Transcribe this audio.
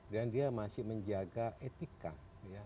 dan dia masih menjaga etika